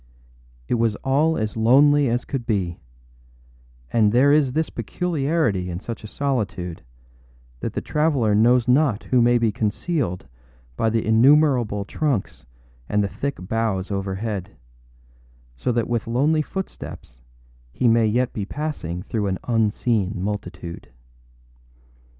It was all as lonely as could be; and there is this peculiarity in such a solitude, that the traveller knows not who may be concealed by the innumerable trunks and the thick boughs overhead; so that with lonely footsteps he may yet be passing through an unseen multitude.